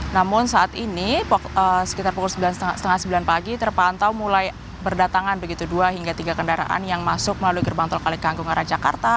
namun saat ini sekitar pukul setengah sembilan pagi terpantau mulai berdatangan begitu dua hingga tiga kendaraan yang masuk melalui gerbang tol kalikangkung arah jakarta